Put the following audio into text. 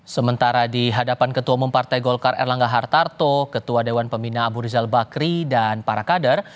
sementara di hadapan ketua umum partai golkar erlangga hartarto ketua dewan pembina abu rizal bakri dan para kader